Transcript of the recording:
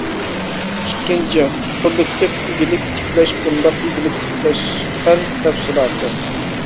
ئىككىنچى، كوللېكتىپ ئىگىلىك تىكلەش بۇنداق ئىگىلىك تىكلەش ئەن. تەپسىلاتى.